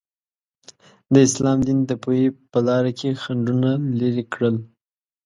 د اسلام دین د پوهې په لاره کې خنډونه لرې کړل.